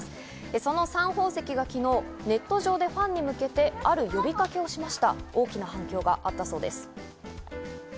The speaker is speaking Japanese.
そのサン宝石が昨日、ネット上でファンに向けてある呼びかけをしたところ、大きな反響があったそうなんです。